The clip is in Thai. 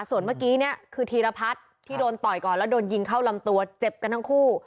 ส่วนเมื่อกี้เนี่ยคือธีรพัฒน์ที่โดนต่อยก่อนแล้วโดนยิงเข้าลำตัวเจ็บกันทั้งคู่